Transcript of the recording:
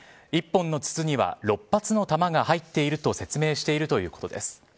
１本の筒には６発の弾が入っていると説明しているということです。